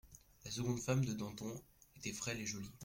La seconde femme de Danton était frêle et jolie.